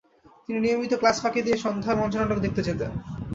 তিনি নিয়মিত ক্লাস ফাঁকি দিয়ে সন্ধ্যায় মঞ্চনাটক দেখতে যেতেন।